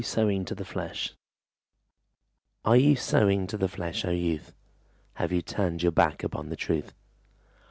Sowing to the Flesh Are you sowing to the flesh, O youth? Have you turned your back upon the truth?